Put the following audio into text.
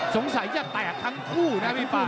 สงสัยจะแตกทั้งคู่นะพี่ป่า